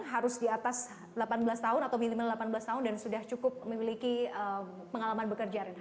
harus di atas delapan belas tahun atau minimal delapan belas tahun dan sudah cukup memiliki pengalaman bekerja